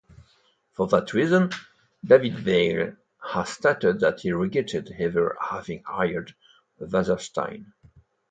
For that reason, David-Weill has stated that he regretted ever having hired Wasserstein.